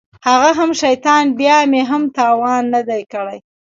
هغه هم شيطان بيا مې هم تاوان نه دى کړى.